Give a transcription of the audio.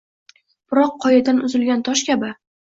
Biroq, qoyadan uzilgan tosh kabi